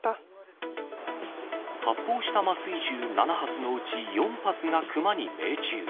発砲した麻酔銃７発のうち、４発がクマに命中。